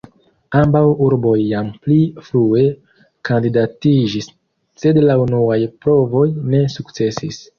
Ambaŭ urboj jam pli frue kandidatiĝis, sed la unuaj provoj ne sukcesis.